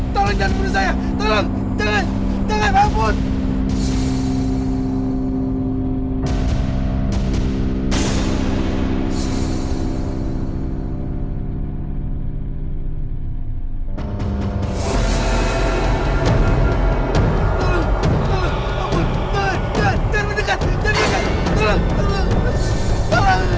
tolong jangan bunuh saya tolong